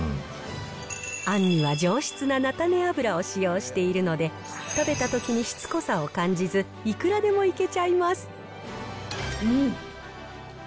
あんには上質な菜種油を使用しているので、食べたときにしつこさを感じず、いくらでもいけちゃいます。